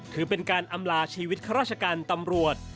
ถือเป็นการอำลาชีวิตข้าราชการตำรวจ